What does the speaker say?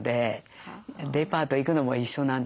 デパート行くのも一緒なんで。